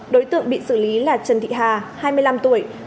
đối tượng bị xử lý là trần thị hà hai mươi năm tuổi